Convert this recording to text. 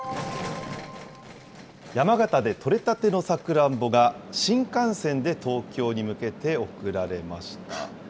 山形で取れたてのさくらんぼが、新幹線で東京に向けて送られました。